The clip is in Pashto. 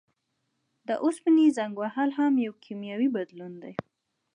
د اوسپنې زنګ وهل هم یو کیمیاوي بدلون دی.